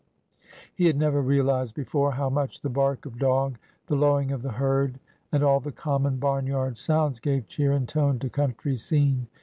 He had never realized before how much the bark of dog, the lowing of the herd, and all the common barn yard sounds gave cheer and tone to country scene.